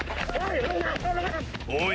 おい！